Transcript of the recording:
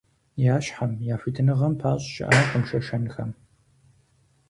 Я щхьэм, я хуитыныгъэм пащӏ щыӏакъым шэшэнхэм.